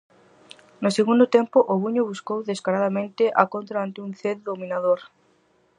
No segundo tempo o Buño buscou descaradamente a contra ante un Cee dominador.